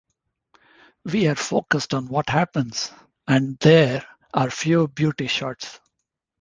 We are focused on what happens, and there are few 'beauty shots'.